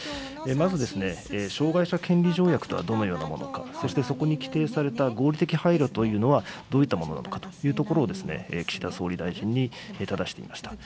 まずですね、障害者権利条約とはどのようなものか、そしてそこに規定された合理的配慮というのは、どういったものなのかというところを、岸田総理大臣にただしていました。